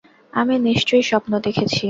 আমি নিশ্চয়ই স্বপ্ন দেখেছি।